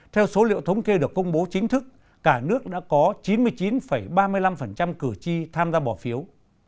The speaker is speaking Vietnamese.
theo số liệu thống kê được công bố chính thức cả nước đã có chín mươi chín ba mươi năm cử tri tham gia bỏ phiếu